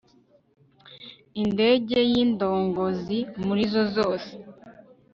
indege y' indongozi muri zo zose